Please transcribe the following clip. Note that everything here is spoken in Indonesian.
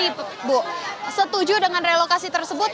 ibu setuju dengan relokasi tersebut